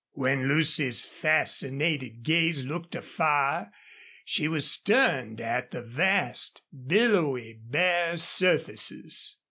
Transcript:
When Lucy's fascinated gaze looked afar she was stunned at the vast, billowy, bare surfaces.